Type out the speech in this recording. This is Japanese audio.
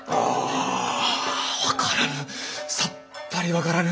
分からぬ！